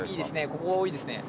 ここが多いですね